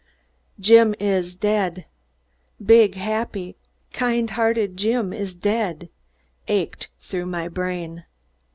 "Jim is dead big, happy, kind hearted Jim is dead" ached through my brain.